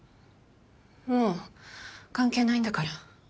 もう関係ないんだから。